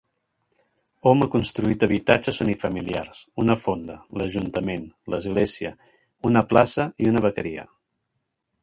Hom ha construït habitatges unifamiliars, una fonda, l'ajuntament, l'església, una plaça i una vaqueria.